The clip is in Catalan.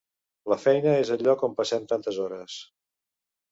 La feina és el lloc on passem tantes hores.